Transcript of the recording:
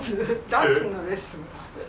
ダンスのレッスンに行く。